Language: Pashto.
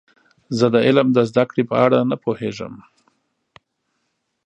زه د علم د زده کړې په اړه نه پوهیږم.